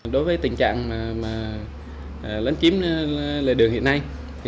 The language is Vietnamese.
đối với tình trạng lấn chiếm lề đường hiện nay